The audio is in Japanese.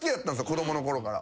子供の頃から。